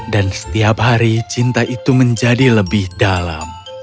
dan setiap hari cinta itu menjadi lebih dalam